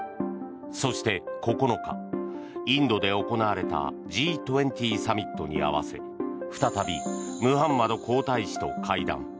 そして、９日、インドで行われたＧ２０サミットに合わせ再びムハンマド皇太子と会談。